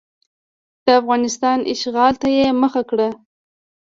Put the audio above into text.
د افغانستان اشغال ته یې مخه کړه.